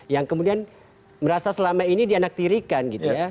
yang kemudian merasa selama ini dianaktirikan gitu ya